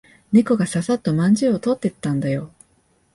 猫がささっとまんじゅうを取ってったんだよ。